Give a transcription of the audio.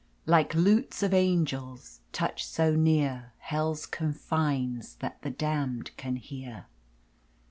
Like lutes of angels, touched so near Hell's confines, that the damned can hear.